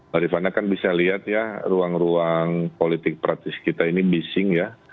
mbak rifana kan bisa lihat ya ruang ruang politik praktis kita ini bising ya